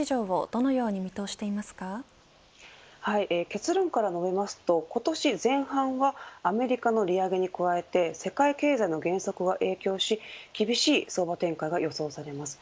結論から述べますと今年前半はアメリカの利上げに加えて世界経済の減速が影響し厳しい相場展開が予想されます。